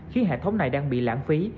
khi hệ thống này đang bị lãng phí